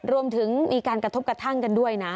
รวมถึงมีการกระทบกระทั่งกันด้วยนะ